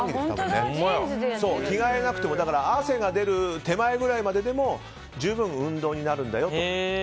着替えなくても汗が出る手前くらいまででも十分運動になるんだよと。